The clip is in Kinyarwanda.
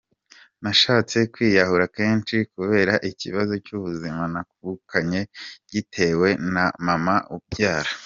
Nashatse kwiyahura kenshi kubera ikibazo cy’ubuzima nabukanye ngitewe na Mama umbyara.